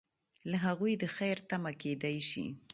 له هغوی د خیر تمه کیدای شي.